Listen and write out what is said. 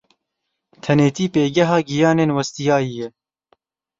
Tenêtî pêgeha giyanên westiyayî ye.